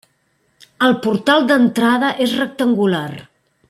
El portal d'entrada és rectangular.